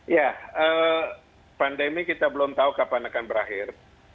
ya pandemi kita belum tahu kapan akan berakhir